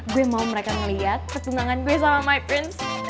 gue mau mereka ngeliat ketunangan gue sama my prince